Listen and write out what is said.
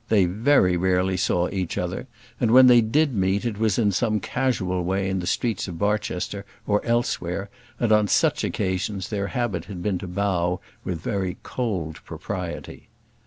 They very rarely saw each other; and when they did meet, it was in some casual way in the streets of Barchester or elsewhere, and on such occasions their habit had been to bow with very cold propriety.